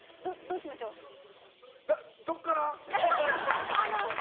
どっから？